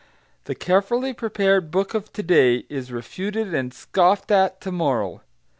The carefully prepared book of to day is refuted and scoffed at to morrow.